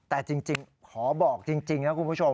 แต่จริงขอบอกจริงนะคุณผู้ชม